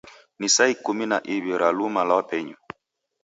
Ni saa ikumi na iwi ra luma lwa penyu.